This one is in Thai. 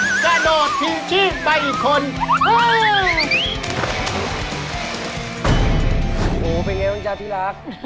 กระโดดทิ้งขี้ไปอีกคนโอ้โอ้เป็นไงมันจ๊ะที่รัก